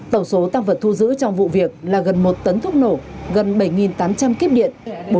tổng số tăng vật thu giữ trong vụ việc là gần một tấn thuốc nổ gần bảy tám trăm linh kíp điện